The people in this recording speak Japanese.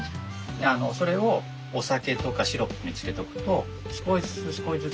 それをお酒とかシロップに漬けとくと少しずつ少しずつ。